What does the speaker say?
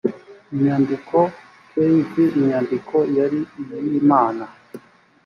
inyandiko kv inyandiko yari iy imana